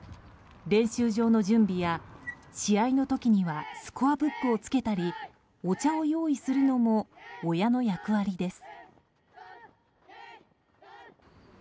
練習場の準備や試合の時にはスコアブックをつけたりお茶を用意するのも親の役割です。